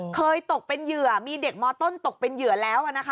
ตกเป็นเหยื่อมีเด็กมต้นตกเป็นเหยื่อแล้วนะคะ